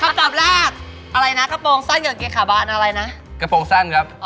ตอบแรกอะไรนะกระโปรงสั้นกับเกขาบานอะไรนะกระโปรงสั้นครับ